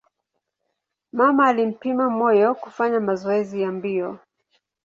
Mama alimpa moyo kufanya mazoezi ya mbio.